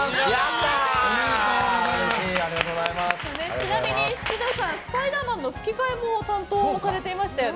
ちなみに獅童さんスパイダーマンの吹き替えも担当されていましたよね。